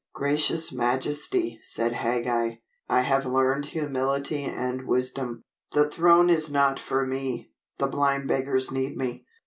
"Gracious majesty," said Hagag, "I have learned humility and wisdom. The throne is not for me. The blind beggars need me.